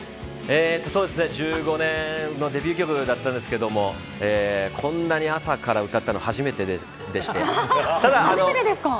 デビュー曲だったんですけどこんなに朝から歌ったのは初めてでしたね。